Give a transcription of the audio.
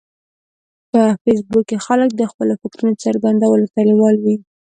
په فېسبوک کې خلک د خپلو فکرونو څرګندولو ته لیوال وي